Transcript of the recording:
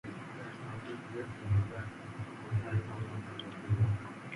That said, the possibility of a severe recent species-wide bottleneck can be ruled out.